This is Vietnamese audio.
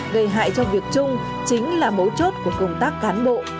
gây hại cho việc chung chính là mấu chốt của công tác cán bộ